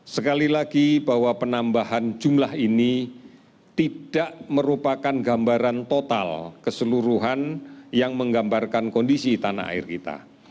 sekali lagi bahwa penambahan jumlah ini tidak merupakan gambaran total keseluruhan yang menggambarkan kondisi tanah air kita